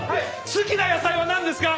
好きな野菜は何ですか？